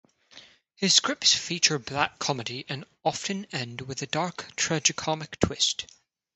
His scripts feature black comedy and often end with a dark tragicomic twist.